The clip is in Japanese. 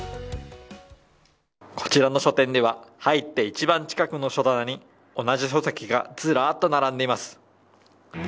こちらの書店では入って一番近くの書棚に同じ書籍がずらっと並んでいます。